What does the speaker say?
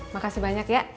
makasih banyak ya